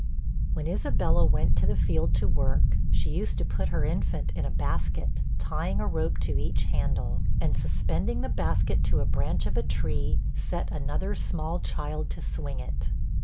When Isabella went to the field to work, she used to put her infant in a basket, tying a rope to each handle, and suspending the basket to a branch of a tree, set another small child to swing it.